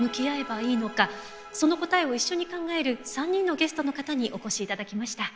その答えを一緒に考える３人のゲストの方にお越しいただきました。